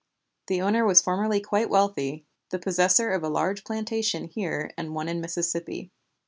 The owner was formerly quite wealthy, the possessor of a large plantation here and one in Mississippi.